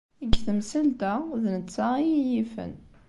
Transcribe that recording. Deg temsalt-a, d netta ay iyi-yifen.